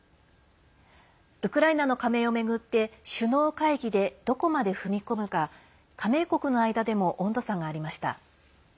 ウクライナの加盟を巡って首脳会議で、どこまで踏み込むか加盟国の間でも温度差がありました。